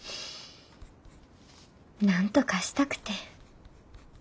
なんとかしたくて。